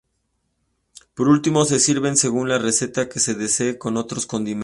Por último se sirven según la receta que se desee con otros condimentos.